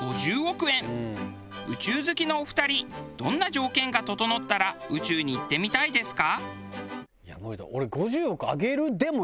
宇宙好きのお二人どんな条件が整ったら宇宙に行ってみたいですか？